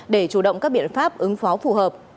để chủ động các biện pháp ứng phó phù hợp